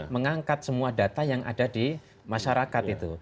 mengangkat semua data yang ada di masyarakat itu